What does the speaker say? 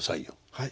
はい。